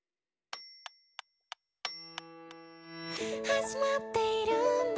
「始まっているんだ